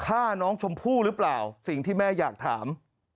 ฆ่าน้องชมพู่หรือเปล่าสิ่งที่แม่อยากถาม